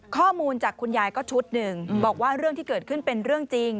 ข้อมูลจากคุณยายก็ชุดหนึ่งบอกว่าเรื่องที่เกิดขึ้นเป็นเรื่องจริง